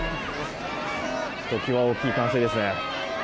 ひときわ大きい歓声ですね。